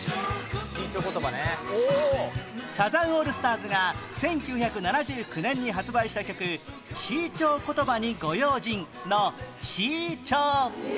サザンオールスターズが１９７９年に発売した曲『Ｃ 調言葉に御用心』の「Ｃ 調」